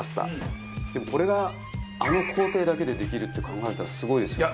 でもこれがあの工程だけでできるって考えたらすごいですよね。